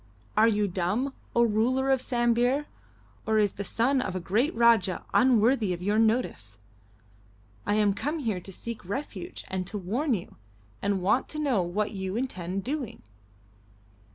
"Are you dumb, O ruler of Sambir, or is the son of a great Rajah unworthy of your notice? I am come here to seek refuge and to warn you, and want to know what you intend doing."